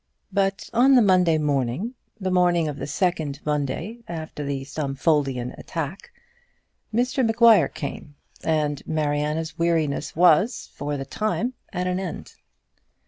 But on the Monday morning, the morning of the second Monday after the Stumfoldian attack, Mr Maguire came, and Mariana's weariness was, for the time, at an end.